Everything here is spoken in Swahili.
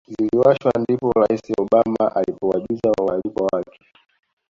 ziliwashwa ndipo Rais Obama alipowajuza waalikwa wake